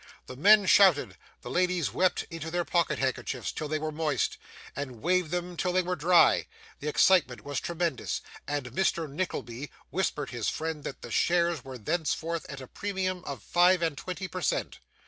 The men shouted; the ladies wept into their pocket handkerchiefs till they were moist, and waved them till they were dry; the excitement was tremendous; and Mr. Nickleby whispered his friend that the shares were thenceforth at a premium of five and twenty per cent.